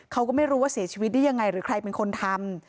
เขาก็ไม่รู้ว่าเสียชีวิตได้ยังไงหรือใครเป็นคนทำ